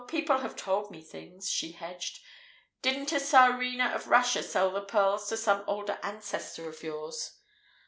"Oh, people have told me things," she hedged. "Didn't a Tsarina of Russia sell the pearls to some old ancestor of yours?"